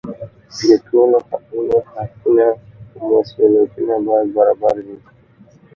د ټولو قومونو حقونه او مسؤلیتونه باید برابر وي.